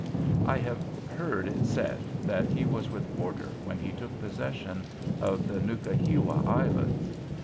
I have heard it said that he was with Porter when he took possession of the Nukahiwa Islands.